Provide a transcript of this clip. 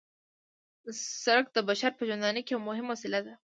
سرک د بشر په ژوندانه کې یوه مهمه وسیله ده